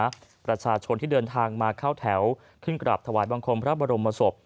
เพื่อให้ประชาชนที่เดินทางมาข้าวแถวขึ้นกลับทวายบังคลพระมรมศพ